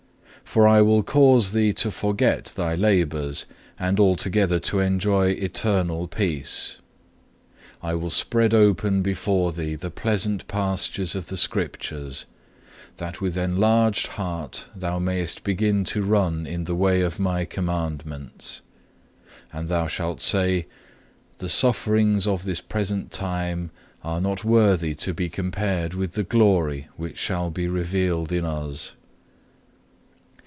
For I will cause thee to forget thy labours, and altogether to enjoy eternal peace. I will spread open before thee the pleasant pastures of the Scriptures, that with enlarged heart thou mayest begin to run in the way of My commandments. And thou shalt say, 'The sufferings of this present time are not worthy to be compared with the glory which shall be revealed in us.